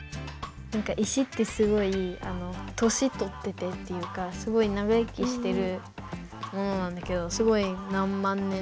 石ってすごいあの年とっててっていうかすごい長生きしてるものなんだけどすごい何万年